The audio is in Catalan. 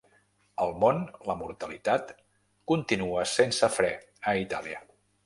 Al món, la mortalitat continua sense fre a Itàlia.